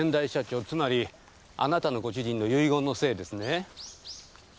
つまりあなたのご主人の遺言のせいですね。